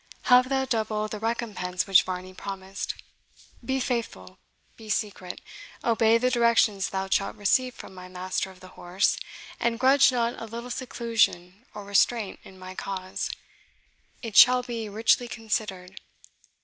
"Have thou double the recompense which Varney promised. Be faithful be secret obey the directions thou shalt receive from my master of the horse, and grudge not a little seclusion or restraint in my cause it shall be richly considered.